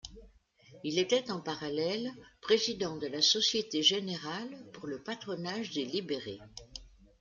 Il était en parallèle président de la Société générale pour le patronage des libérés.